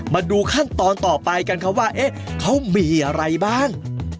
มาดูขั้นตอนต่อไปกันครับว่าเขามีอะไรบ้าง